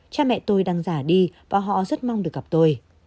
cha mẹ tôi đang giả đi và họ rất mong được gặp tôi